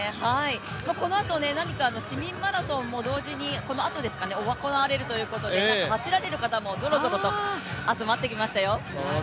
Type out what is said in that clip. このあと市民マラソンも同時にこのあと行われるということで走られる方もぞろぞろと集まってきましたよ。